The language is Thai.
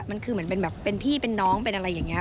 มันคือเหมือนเป็นแบบเป็นพี่เป็นน้องเป็นอะไรอย่างนี้